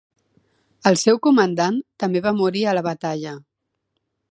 El seu comandant també va morir a la batalla.